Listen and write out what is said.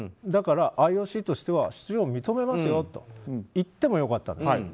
だから、ＩＯＣとしては出場を認めますよと言ってもよかった。